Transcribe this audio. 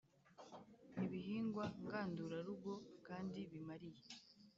ibihingwa ngandurarugo kandi bimariye